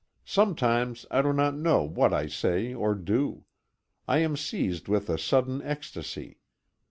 Sometimes I do not know what I say or do. I am seized with a sudden ecstasy.